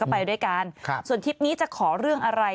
ไปด้วยกันครับส่วนทริปนี้จะขอเรื่องอะไร